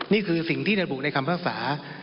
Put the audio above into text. นี่คือสิ่งที่ได้บุปริภาษา